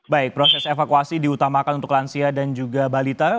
baik proses evakuasi diutamakan untuk lansia dan juga balita